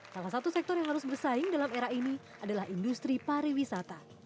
salah satu sektor yang harus bersaing dalam era ini adalah industri pariwisata